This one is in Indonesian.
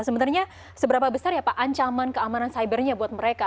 sebenarnya seberapa besar ancaman keamanan cybernya buat mereka